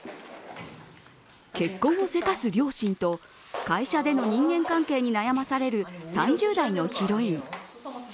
結婚をせかす両親と会社での人間関係に悩まされる３０代のヒロイン。